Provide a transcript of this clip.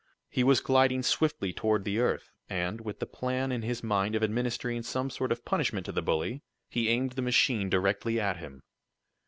He was gliding swiftly toward the earth, and, with the plan in his mind of administering some sort of punishment to the bully, he aimed the machine directly at him.